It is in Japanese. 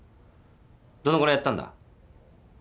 どのぐらいやったんだ？